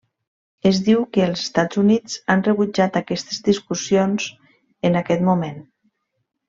Es diu que els Estats Units han rebutjat aquestes discussions, en aquest moment.